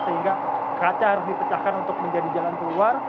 sehingga kaca harus dipecahkan untuk menjadi jalan keluar